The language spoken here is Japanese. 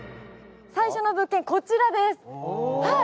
最初の物件、こちらです。